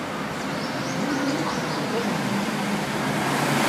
Melmi i m-xedment ayenni?